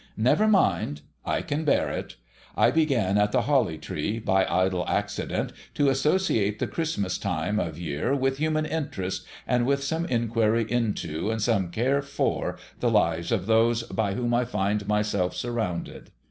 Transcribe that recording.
Never mind ! I can bear it. I began at the Holly Tree, by idle accident, to associate the Christmas time of year with human interest, and with some inquiry into, and some care for, the lives of those by whom I find myself surrounded.